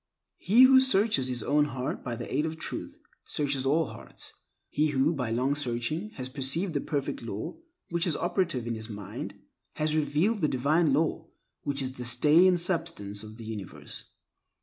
He who searches his own heart by the aid of Truth, searches all hearts. He who, by long searching, has perceived the Perfect Law which is operative in his mind, has revealed the Divine Law which is the stay and substance of the universe.